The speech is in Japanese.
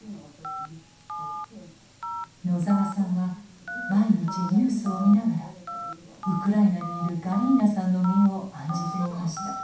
野澤さんは毎日ニュースを見ながらウクライナにいるガリーナさんの身を案じていました。